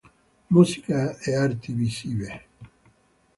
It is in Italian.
Musica e arti visive.